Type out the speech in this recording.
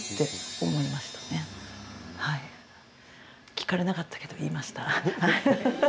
聞かれなかったけど言いました。